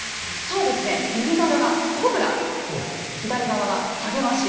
そうですね右側がコブラ左側がハゲワシ。